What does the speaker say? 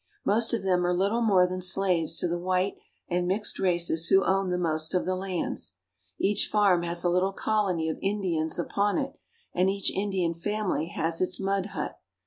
Most of them are Httle more than slaves to the white and mixed races who own the most of the lands. Each farm has a little colony of Indians upon it, and each Indian family has its mud hut.